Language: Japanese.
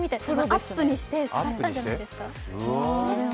アップにして探したんじゃないですか？